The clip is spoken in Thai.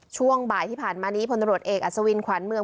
ช่วงบ่ายที่ผ่านมานี้พลตำรวจเอกอัศวินขวานเมือง